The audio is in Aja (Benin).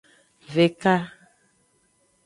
Veka.